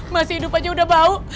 masih hidup aja udah bau